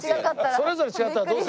それぞれ違ったらどうする。